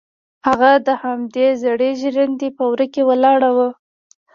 هغه د همدې زړې ژرندې په وره کې ولاړه وه.